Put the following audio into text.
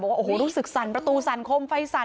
ว่าโอ้โหรู้สึกสั่นประตูสั่นคมไฟสั่น